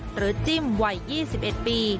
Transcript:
หรือจิ้มวัย๒๑ปี